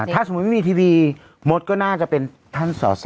ถ้าสมมุติไม่มีทีวีมดก็น่าจะเป็นท่านสอสอ